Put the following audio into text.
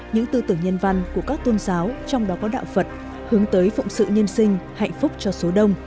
những tư tưởng nhân văn của các tôn giáo trong đó có đạo phật hướng tới phụng sự nhân sinh hạnh phúc cho số đông